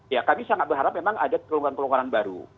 ya kami sangat berharap memang ada pelonggaran pelonggaran baru